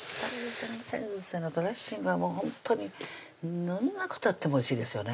先生のドレッシングはもうほんとにどんなことあってもおいしいですよね